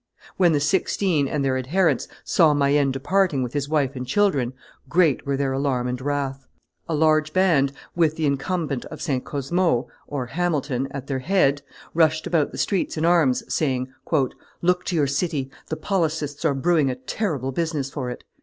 When the Sixteen and their adherents saw Mayenne departing with his wife and children, great were their alarm and wrath. A large band, with the incumbent of St. Cosmo (Hamilton) at their head, rushed about the streets in arms, saying, "Look to your city; the policists are brewing a terrible business for it."